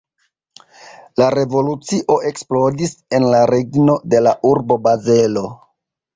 La revolucio eksplodis en la regno de la urbo Bazelo.